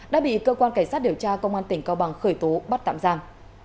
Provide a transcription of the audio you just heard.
đã bị cơ quan cảnh sát điều tra công an tỉnh cao bằng khởi tố bắt tạm giam